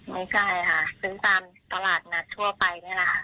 ไม่ใช่ซื้อตามตลาดนัดชั่วไปนี่แหละ